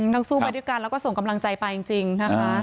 สู้ไปด้วยกันแล้วก็ส่งกำลังใจไปจริงนะคะ